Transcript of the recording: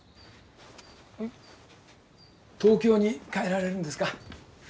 東京に帰られるんですか？